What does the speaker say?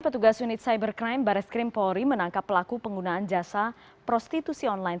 pertugas unit cybercrime barreskrim polri menangkap pelaku penggunaan jasa prostitusi online